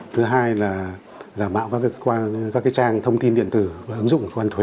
thứ hai là giả mạo các trang thông tin điện tử và ứng dụng của cơ quan thuế